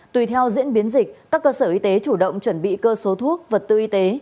tùy theo diễn biến dịch các cơ sở y tế chủ động chuẩn bị cơ số thuốc vật tư y tế